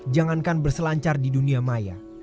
jangankan berselancar di dunia maya